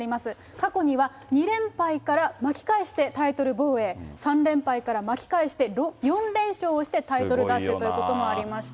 過去には２連敗から巻き返して、タイトル防衛、３連敗から巻き返して、４連勝をしてタイトル奪取ということもありました。